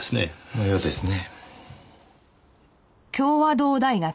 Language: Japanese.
のようですね。